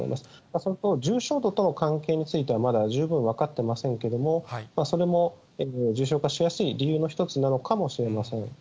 それと重症度との関係についてはまだ十分分かってませんけれども、それも重症化しやすい理由の一つなのかもしれません。